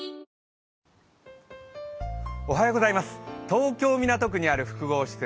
東京・港区にある複合施設